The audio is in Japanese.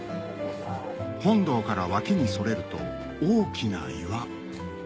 本堂から脇にそれると大きな岩